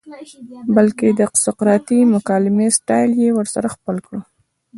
بلکه د سقراطی مکالمې سټائل ئې ورسره خپل کړۀ